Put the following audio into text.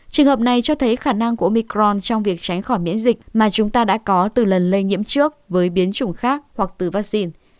trường hợp này cho thấy khả năng của micron trong việc tránh khỏi miễn dịch mà chúng ta đã có từ lần lây nhiễm trước với biến chủng khác hoặc từ vaccine